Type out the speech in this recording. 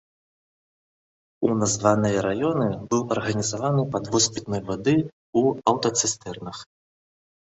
У названыя раёны быў арганізаваны падвоз пітной вады ў аўтацыстэрнах.